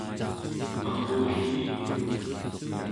qerrulliik